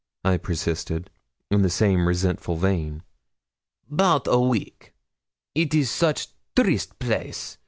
I persisted, in the same resentful vein. ''Bout a week. It is soche triste place!